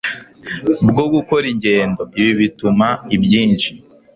bwo gukora ingendo. Ibi bituma ibyinshi